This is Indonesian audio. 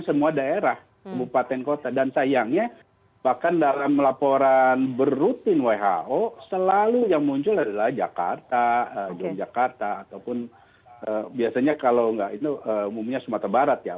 semua daerah kabupaten kota dan sayangnya bahkan dalam laporan berrutin who selalu yang muncul adalah jakarta jogjakarta ataupun biasanya kalau nggak itu umumnya sumatera barat ya